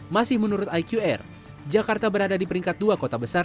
masih menurut iqr jakarta berada di peringkat dua kota besar